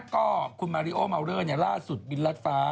ก็คุณมาริโอมาวเลอร์ล่าสุดบินรัดฟ้า